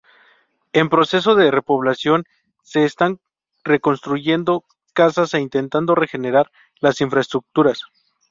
En proceso de repoblación, se están reconstruyendo casas e intentando regenerar las infraestructuras.